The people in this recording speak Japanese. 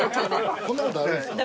こんなことあるんですか？